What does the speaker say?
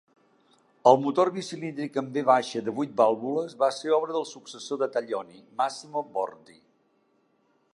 El motor bicilíndric en V de vuit vàlvules va ser obra del successor de Taglioni, Massimo Bordi.